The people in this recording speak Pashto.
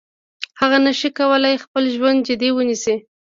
هغه نشي کولای خپل ژوند جدي ونیسي.